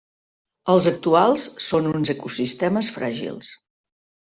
Els actuals són uns ecosistemes fràgils.